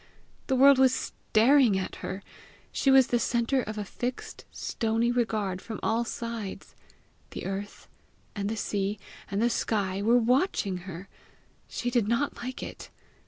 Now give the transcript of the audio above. The world was staring at her! She was the centre of a fixed, stony regard from all sides! The earth, and the sea, and the sky, were watching her! She did not like it!